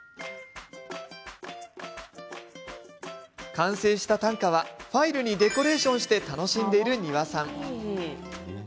完成した短歌はファイルにデコレーションして楽しんでいる丹羽さん。